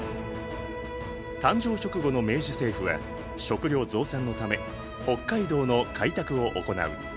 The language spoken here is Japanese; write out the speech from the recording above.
誕生直後の明治政府は食料増産のため北海道の開拓を行う。